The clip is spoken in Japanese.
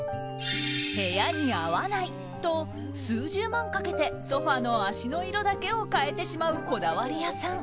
部屋に合わないと数十万かけてソファの脚の色だけを変えてしまうこだわり屋さん。